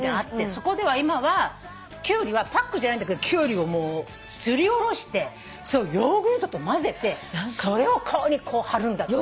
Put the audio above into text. そこでは今はキュウリはパックじゃないんだけどキュウリをすりおろしてヨーグルトとまぜてそれを顔に張るんだって。